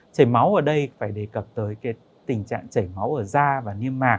chảy máu ở đây phải đề cập tới cái tình trạng chảy máu ở da và niêm mạc